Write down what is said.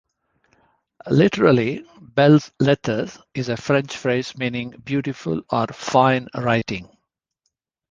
Literally, "belles-lettres" is a French phrase meaning "beautiful" or "fine" writing.